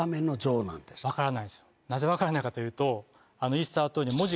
なぜ分からないかというと。